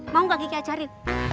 mau gak kiki ajarin